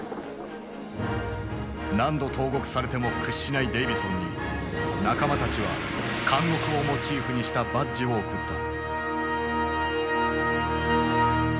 何度投獄されても屈しないデイヴィソンに仲間たちは監獄をモチーフにしたバッジを贈った。